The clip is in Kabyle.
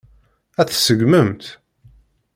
Ad tt-tseggmemt?